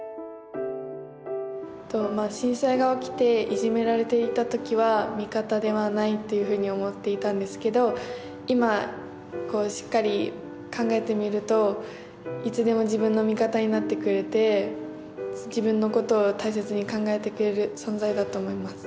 震災が起きていじめられていた時は味方ではないっていうふうに思っていたんですけど今こうしっかり考えてみるといつでも自分の味方になってくれて自分のことを大切に考えてくれる存在だと思います。